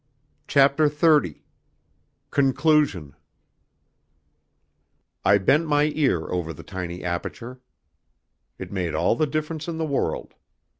CHAPTER XXX Conclusion I bent my ear over the tiny aperture. It made all the difference in the world.